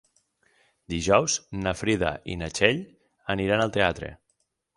Dijous na Frida i na Txell aniran al teatre.